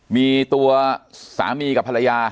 มีตัวสามีกับภรรยา